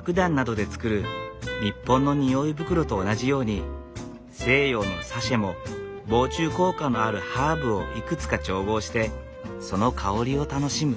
くだんなどで作る日本の匂い袋と同じように西洋のサシェも防虫効果のあるハーブをいくつか調合してその香りを楽しむ。